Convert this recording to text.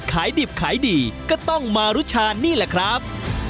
ขายดิบขายดีก็ต้องมารุชานี่แหละครับ